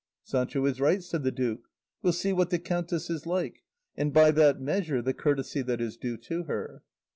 "Sancho is right," said the duke; "we'll see what the countess is like, and by that measure the courtesy that is due to her."